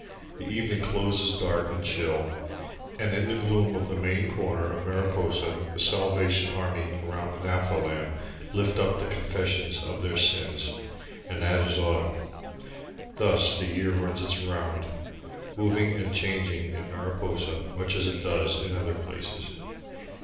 The evening closes dark and chill, and in the gloom of the main corner of Mariposa the Salvation Army around a naphtha lamp lift up the confession of their sins and that is autumn. Thus the year runs its round, moving and changing in Mariposa, much as it does in other places.